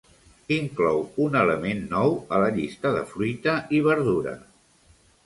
Inclou un element nou a la llista de fruita i verdura.